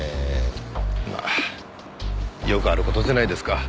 まあよくある事じゃないですか。